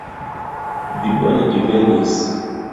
Vi bone divenis.